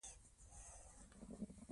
کار پیدا کول د حل لار ده.